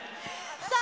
さあ、